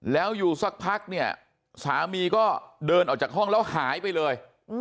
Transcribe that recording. แล้วอยู่สักพักเนี่ยสามีก็เดินออกจากห้องแล้วหายไปเลย